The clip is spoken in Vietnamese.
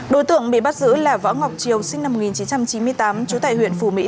đối tượng bị bắt giữ là võ ngọc triều sinh năm một nghìn chín trăm chín mươi tám trú tại huyện phù mỹ